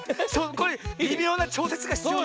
これびみょうなちょうせつがひつようね。